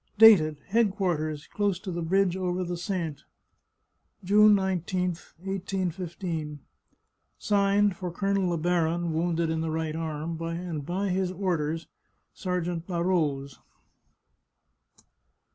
" Dated. Headquarters, close to the bridge over the Sainte. June 19, 181 5. " Signed for Colonel Le Baron, wounded in the right arm, and by his orders. " Sergeant La Rose."